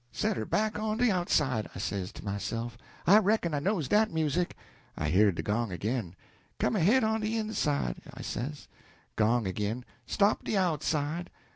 'Set her back on de outside,' I says to myself 'I reckon I knows dat music!' I hear de gong ag'in. 'Come ahead on de inside,' I says. Gong ag'in. 'Stop de outside.'